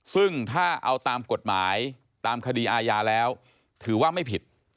ซึ่งถ้าเอาตามกฎหมายตามคดีอาญาแล้วถือว่าไม่ผิด